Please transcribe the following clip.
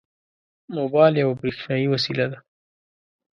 موبایل یوه برېښنایي وسیله ده.